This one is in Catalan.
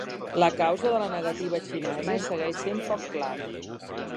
La causa de la negativa xinesa segueix sent poc clara.